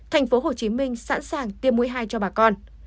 thành phố hồ chí minh sẵn sàng tiêm mũi hai cho bà con